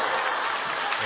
え？